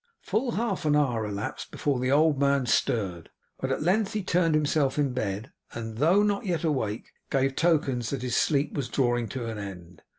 Full half an hour elapsed before the old man stirred, but at length he turned himself in bed, and, though not yet awake, gave tokens that his sleep was drawing to an end.